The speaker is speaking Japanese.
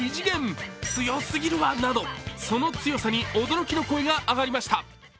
その強さに驚きの声が上がりました。